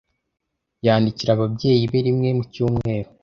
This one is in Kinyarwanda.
Yandikira ababyeyi be rimwe mu cyumweru.